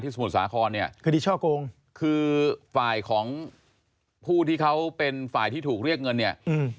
สมุทรสาครเนี่ยคดีช่อโกงคือฝ่ายของผู้ที่เขาเป็นฝ่ายที่ถูกเรียกเงินเนี่ยอืม